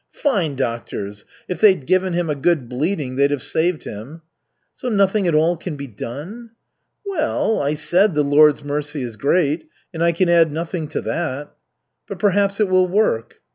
"Fine doctors! If they'd given him a good bleeding, they'd have saved him." "So nothing at all can be done?" "Well, I said, 'The Lord's mercy is great,' and I can add nothing to that." "But perhaps it will work?"